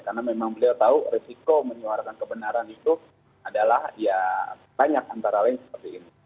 karena memang beliau tahu resiko menyuarakan kebenaran itu adalah ya banyak antara lain seperti ini